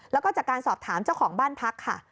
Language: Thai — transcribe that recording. แล้วก็จากการสอบถามเจ้าของบ้านพักค่ะ